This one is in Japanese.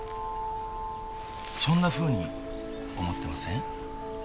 そんなふうに思ってません？